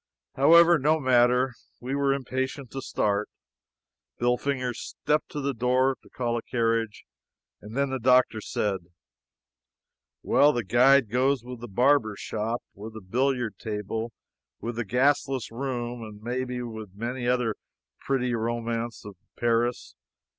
However, no matter. We were impatient to start. Billfinger stepped to the door to call a carriage, and then the doctor said: "Well, the guide goes with the barbershop, with the billiard table, with the gasless room, and may be with many another pretty romance of Paris.